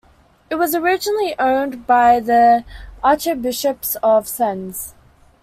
It was originally owned by the archbishops of Sens.